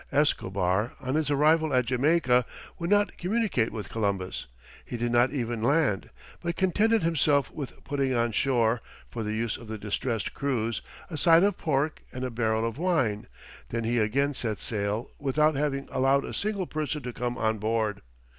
Escobar, on his arrival at Jamaica, would not communicate with Columbus; he did not even land, but contented himself with putting on shore, for the use of the distressed crews, "a side of pork and a barrel of wine;" then he again set sail without having allowed a single person to come on board.